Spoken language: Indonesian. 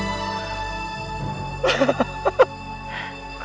aku akan menunggu